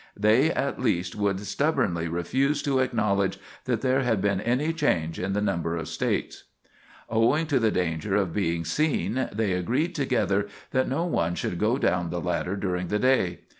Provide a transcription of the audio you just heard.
They at least would stubbornly refuse to acknowledge that there had been any change in the number of States. Owing to the danger of being seen, they agreed together that no one should go down the ladder during the day.